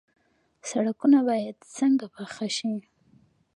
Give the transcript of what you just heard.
سړکونه باید څنګه پاخه شي؟